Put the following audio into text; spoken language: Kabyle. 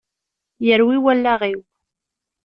Yerwi wallaɣ-iw!